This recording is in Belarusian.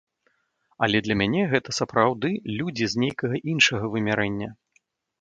Але для мяне гэта сапраўды людзі з нейкага іншага вымярэння.